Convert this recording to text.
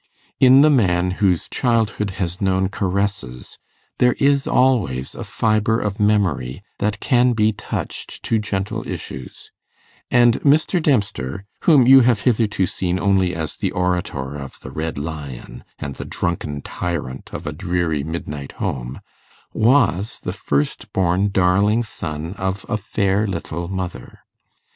In the man whose childhood has known caresses there is always a fibre of memory that can be touched to gentle issues, and Mr. Dempster, whom you have hitherto seen only as the orator of the Red Lion, and the drunken tyrant of a dreary midnight home, was the first born darling son of a fair little mother.